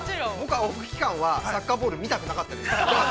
◆僕は、オフ期間はサッカーボールみたくなかったです。